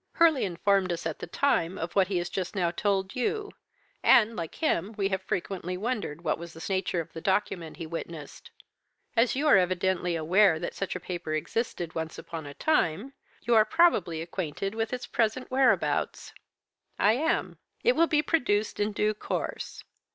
'Hurley informed us, at the time, of what he has just now told you, and, like him, we have frequently wondered what was the nature of the document he witnessed. As you are evidently aware that such a paper existed once upon a time, you are probably acquainted with its present whereabouts?' "'I am. It will be produced in due course.